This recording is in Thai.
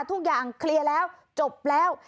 ทุกอย่างเคลียร์แล้วจบแล้ว